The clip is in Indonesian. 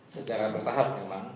secara bertahap memang